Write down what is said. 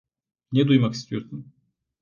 Ne duymak istiyorsun?